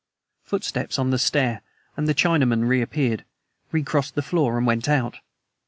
Footsteps on the stair, and the Chinaman reappeared, recrossed the floor, and went out.